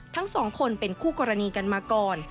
ทั้งสองคนเป็นคู่กรณีกันมาก่อน